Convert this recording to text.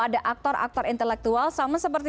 ada aktor aktor intelektual sama seperti